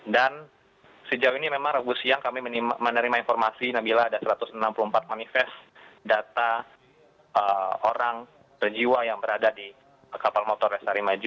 dan sejauh ini memang abu siang kami menerima informasi nabila ada satu ratus enam puluh empat manifest data orang berjiwa yang berada di kapal motor lestari maju